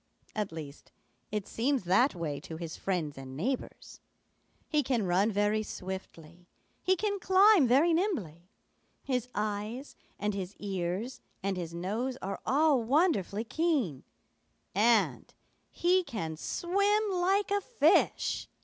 At least, it seems that way to his friends and neighbors. He can run very swiftly; he can climb very nimbly; his eyes and his ears and his nose are all wonderfully keen, and he can swim like a fish.